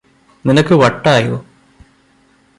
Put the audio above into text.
നിനക്ക് വട്ടായോ